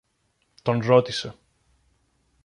τον ρώτησε.